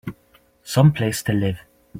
Some place to live!